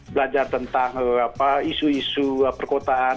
belajar tentang isu isu perkotaan